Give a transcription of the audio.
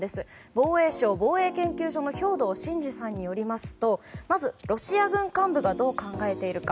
防衛省防衛研究所の兵頭慎治さんによりますとまずロシア軍幹部がどう考えているか。